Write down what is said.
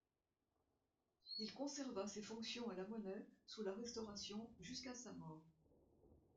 Il conserva ses fonctions à la Monnaie sous la Restauration, jusqu'à sa mort.